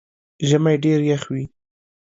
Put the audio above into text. ژمئ ډېر يخ وي